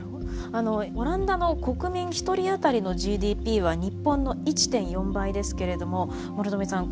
オランダの国民一人当たりのＧＤＰは日本の１．４倍ですけれども諸富さん